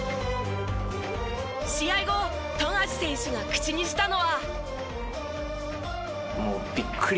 試合後富樫選手が口にしたのは。